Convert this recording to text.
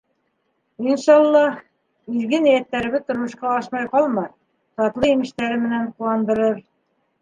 Иншаллаһ, изге ниәттәребеҙ тормошҡа ашмай ҡалмаҫ, татлы емештәре менән ҡыуандырыр.